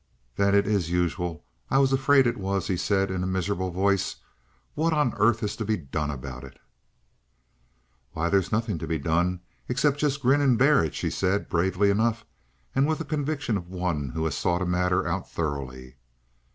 "Then it is usual! I was afraid it was," he said in a miserable voice. "What on earth is to be done about it?" "Why, there's nothing to be done, except just grin and bear it," she said bravely enough, and with the conviction of one who has thought a matter out thoroughly.